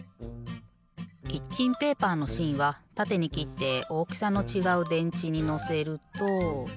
キッチンペーパーのしんはたてにきっておおきさのちがうでんちにのせると。